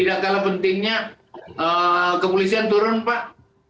tidak kalah pentingnya kepolisian turun pak